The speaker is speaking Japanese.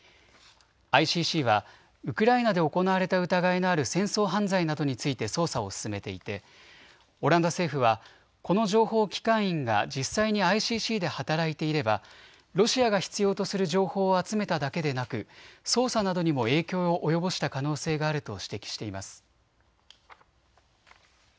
ＩＣＣはウクライナで行われた疑いのある戦争犯罪などについて捜査を進めていてオランダ政府はこの情報機関員が実際にＩＣＣで働いていればロシアが必要とする情報を集めただけでなく捜査などにも影響を及ぼした可能性があると指摘しています。